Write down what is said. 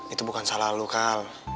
itu bukan salah lo kal